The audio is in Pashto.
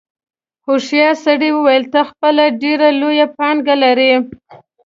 هوښیار سړي وویل ته خپله ډېره لویه پانګه لرې.